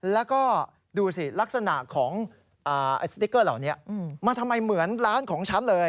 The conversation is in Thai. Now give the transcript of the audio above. และลักษณะของสตริกเกอร์เหมือนร้านของฉันเลย